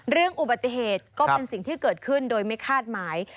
เรื่องอุบัติเหตุก็เป็นสิ่งที่เกิดขึ้นโดยไม่คาดหมาย